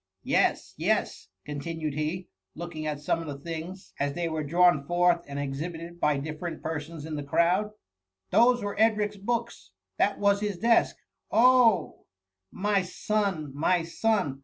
" Yes ! yes ! continued he, looking at some of the things, as they were drawn forth and exhibited by dif ferent persons in the crowd ;" those were Edric^s books — ^that was his desk. Oh I my son I my son